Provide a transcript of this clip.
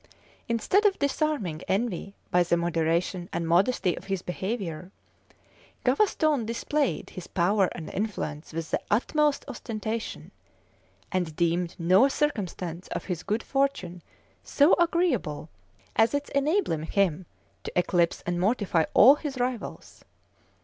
Instead of disarming envy by the moderation and modesty of his behavior, Gavaston displayed his power and influence with the utmost ostentation; and deemed no circumstance of his good fortune so agreeable as its enabling him to eclipse and mortify all his rivals.